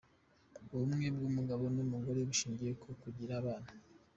ubumwe bw’umugabo n’umugore bushingiye mu kugira abana.